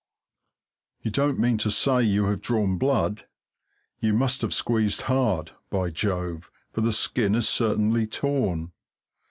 You don't mean to say you have drawn blood? You must have squeezed hard, by Jove, for the skin is certainly torn.